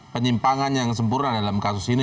penyimpangan yang sempurna dalam kasus ini